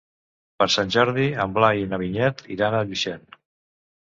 Per Sant Jordi en Blai i na Vinyet iran a Llutxent.